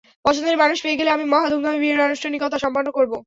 পছন্দের মানুষ পেয়ে গেলে আমি মহা ধুমধামে বিয়ের আনুষ্ঠানিকতা সম্পন্ন করব।